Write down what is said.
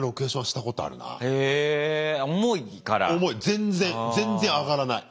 全然全然上がらない。